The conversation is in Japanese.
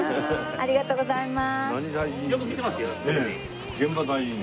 ありがとうございます。